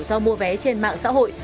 và mua vé trên mạng xã hội